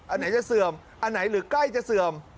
อันไหนจะเสื่อมอันไหนหรือใกล้จะเสื่อม